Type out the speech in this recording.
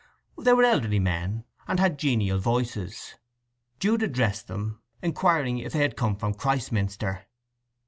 They were elderly men, and had genial voices. Jude addressed them, inquiring if they had come from Christminster.